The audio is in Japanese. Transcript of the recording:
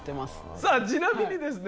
さあちなみにですね